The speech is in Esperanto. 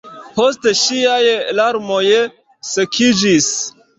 Poste ŝiaj larmoj sekiĝis.